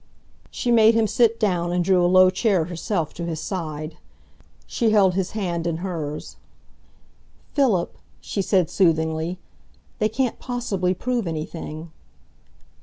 She made him sit down and drew a low chair herself to his side. She held his hand in hers. "Philip," she said soothingly, "they can't possibly prove anything."